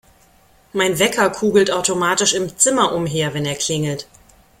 Mein Wecker kugelt automatisch im Zimmer umher, wenn er klingelt.